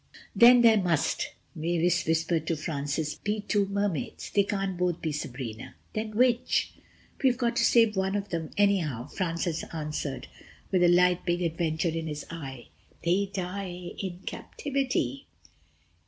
"Then there must," Mavis whispered to Francis, "be two Mermaids. They can't both be Sabrina ... then which...?" "We've got to save one of them anyhow," Francis answered with the light of big adventure in his eye, "they die in captivity."